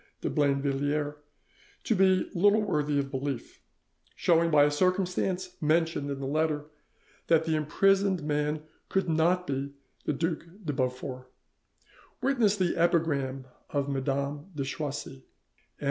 de Blainvilliers to be little worthy of belief, showing by a circumstance mentioned in the letter that the imprisoned man could not be the Duc de Beaufort; witness the epigram of Madame de Choisy, "M.